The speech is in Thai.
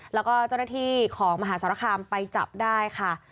แล้วก็เจ้าหน้าที่ของมหาสารคามไปจับได้ค่ะ